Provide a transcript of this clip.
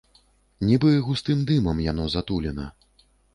Нібы густым дымам яно затулена.